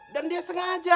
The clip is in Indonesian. dan dia sengaja